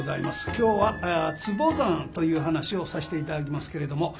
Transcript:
今日は「つぼ算」という噺をさして頂きますけれども。